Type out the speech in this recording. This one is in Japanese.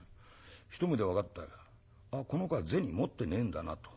一目で分かったよこの子は銭持ってねえんだなと。